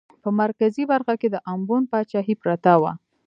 په مرکزي برخه کې د امبون پاچاهي پرته وه.